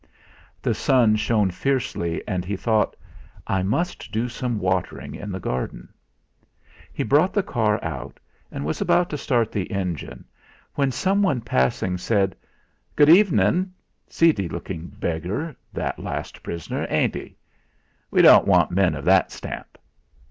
The sun shone fiercely and he thought: '. must do some watering in the garden.' He brought the car out, and was about to start the engine, when someone passing said: "Good evenin'. Seedy lookin' beggar that last prisoner, ain't he? We don't want men of that stamp."